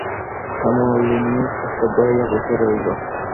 হেমনলিনী স্তব্ধ হইয়া বসিয়া রহিল।